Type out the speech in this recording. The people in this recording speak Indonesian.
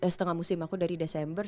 setengah musim aku dari desember